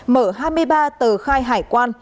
mở hai mươi ba tờ khai hải quan